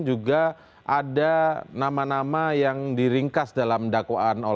juga ada nama nama yang diringkas dalam dakwaan